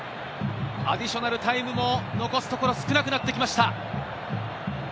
アディショナルタイムも残すところ少なくなってきました。